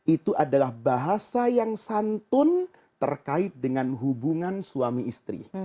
itu adalah bahasa yang santun terkait dengan hubungan suami istri